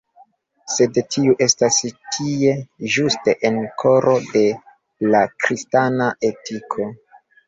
Sed tiu estas tie, ĝuste en “koro de la kristana etiko”.